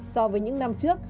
so với những năm trước